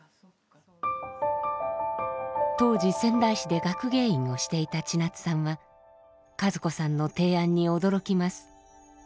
当時仙台市で学芸員をしていたチナツさんは和子さんの提案に驚きます。